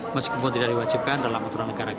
meskipun tidak diwajibkan dalam aturan negara